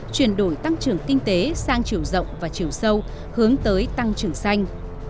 chuyển đổi tăng trưởng kinh tế sang chiều rộng và chiều sâu hướng tới tăng trưởng xanh